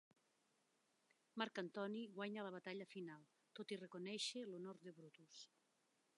Marc Antoni guanya la batalla final, tot i reconèixer l'honor de Brutus.